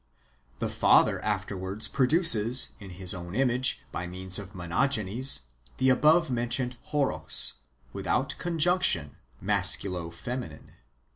The Father afterwards produces, in his own image, by means of Monogenes, the above mentioned Horos, without conjunction,^ masculo feminine.